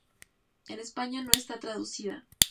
En España no está traducida.